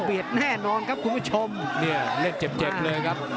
แน่นอนครับคุณผู้ชมเนี่ยเล่นเจ็บเจ็บเลยครับ